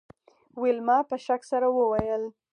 ویلما په شک سره وویل